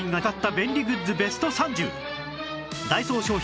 ダイソー商品